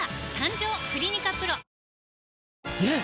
ねえ‼